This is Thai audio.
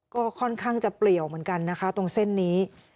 ก็ค่อนข้างจะเปลี่ยวเหมือนกันนะคะตรงเส้นนี้